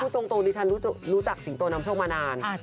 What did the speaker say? ตรงดิฉันรู้จักสิงโตนำโชคมานาน